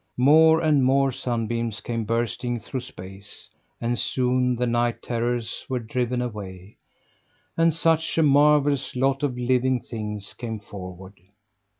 More and more sunbeams came bursting through space, and soon the night's terrors were driven away, and such a marvellous lot of living things came forward.